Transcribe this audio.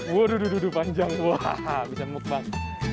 waduh panjang bisa mukbang